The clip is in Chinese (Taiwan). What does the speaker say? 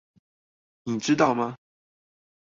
你知道嗎？